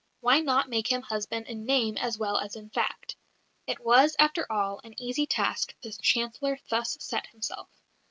Why not make him husband in name as well as in fact? It was, after all, an easy task the Chancellor thus set himself.